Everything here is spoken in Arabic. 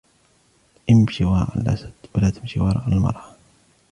امْشِ وَرَاءَ الْأَسَدِ وَلَا تَمْشِ وَرَاءَ الْمَرْأَةِ